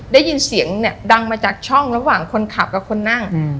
ได้ยินเสียงเนี่ยดังมาจากช่องระหว่างคนขับกับคนนั่ง